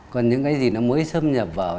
còn những cái gì nó mới xâm nhập vào